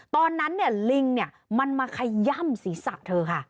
ตอนนั้นลิงมันมาขย่ำศีรษะเธอค่ะ